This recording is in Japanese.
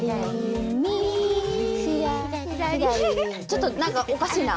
ちょっと何かおかしいな。